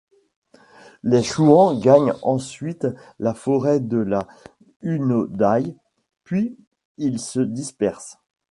Les Chouans gagnent ensuite la forêt de La Hunaudaye, puis ils se dispersent.